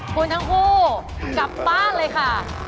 คุณทั้งคู่กลับบ้านเลยค่ะ